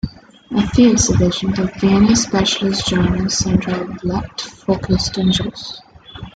At the exhibition, the Viennese specialist journal Centrallblatt focussed on Jos.